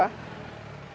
gerobak berlaku di jogja